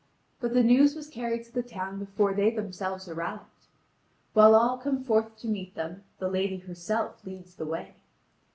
But the news was carried to the town before they themselves arrived. While all come forth to meet them, the lady herself leads the way.